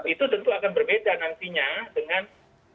itu tentu akan berbeda nantinya dengan apa namanya dengan masyarakat